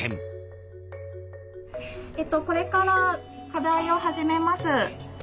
これから課題を始めます。